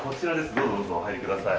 どうぞどうぞお入りください。